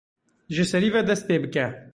Ji serî ve dest pê bike.